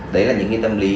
đấy là những cái tâm lý